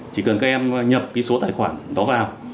chỉ cần các em nhập cái số tài khoản đó vào